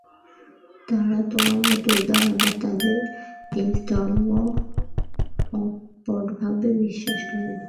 তাঁরা তোমারই মত উদার, আবার তাঁদের নিজের ধর্ম অকপটভাবে বিশ্বাস করেন।